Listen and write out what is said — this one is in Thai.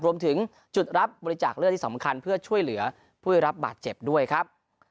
รวมถึงจุดรับบริจาคเลือดที่สำคัญเพื่อช่วยเหลือผู้ได้รับบาดเจ็บด้วยครับ